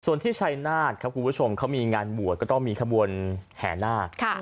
ส่วนที่ชัยนาธครับคุณผู้ชมเขามีงานบวชก็ต้องมีขบวนแห่นาค